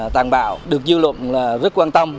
tàn bạo được dư luận là rất quan tâm